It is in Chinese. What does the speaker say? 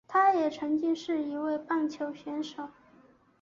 他也曾经是一位棒球选手。